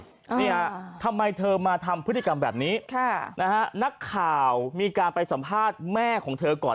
เนี่ยทำไมเธอมาทำพฤติกรรมแบบนี้ค่ะนะฮะนักข่าวมีการไปสัมภาษณ์แม่ของเธอก่อน